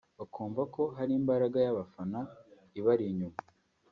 bakumva ko hari imbaga y’abafana ibari inyuma